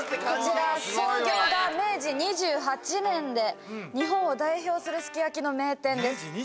こちら創業が明治２８年で日本を代表するすき焼きの名店です